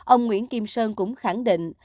ông nguyễn kim sơn cũng khẳng định